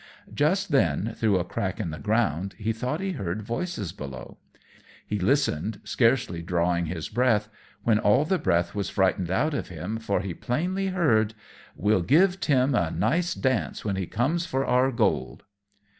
Just then, through a crack in the ground, he thought he heard voices below. He listened, scarcely drawing his breath, when all the breath was frightened out of him, for he plainly heard "We'll give Tim a nice dance when he comes for our gold."